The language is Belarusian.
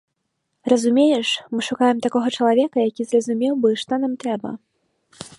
Разумееш, мы шукаем такога чалавека, які зразумеў бы, што нам трэба.